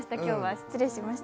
失礼しました。